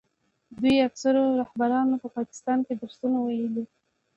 دوی اکثرو رهبرانو په پاکستان کې درسونه ویلي.